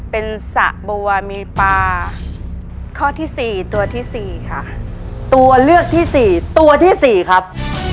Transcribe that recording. เป็นสะบัวมีปลาข้อที่สี่ตัวที่สี่ค่ะตัวเลือกที่สี่ตัวที่สี่ครับ